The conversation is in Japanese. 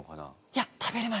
いや食べれる！？